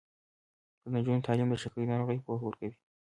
د نجونو تعلیم د شکرې ناروغۍ پوهه ورکوي.